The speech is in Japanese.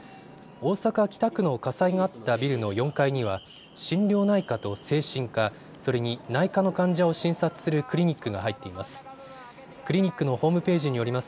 大阪北区の火災があったビルの４階には心療内科と精神科、それに内科の患者を診察するクリニックが入っています。